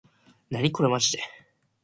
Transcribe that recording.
なにこれまじで